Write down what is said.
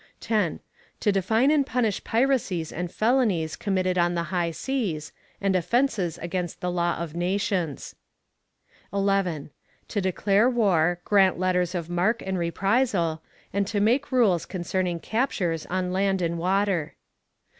10. To define and punish piracies and felonies committed on the high seas, and offenses against the law of nations. 11. To declare war, grant letters of marque and reprisal, and make rules concerning captures on land and water.